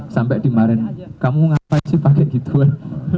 sampai dimarin kamu ngapain sih pakai gituan